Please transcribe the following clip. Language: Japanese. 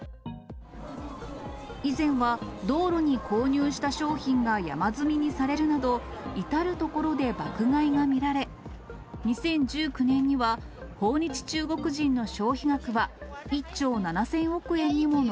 以前は、道路に購入した商品が山積みにされるなど、至る所で爆買いが見られ、２０１９年には、訪日中国人の消費額は、１兆７０００億円にも上